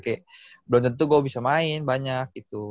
kayak belum tentu gue bisa main banyak gitu